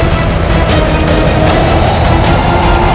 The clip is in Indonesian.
untuk membuangku saya menggunakan